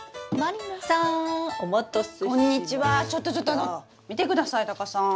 ちょっとちょっと見てくださいタカさん。